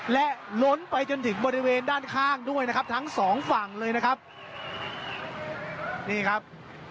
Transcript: และล้นไปจนถึงบริเวณด้านข้างด้วยนะครับทั้งสองฝั่งเลยนะครับนี่ครับ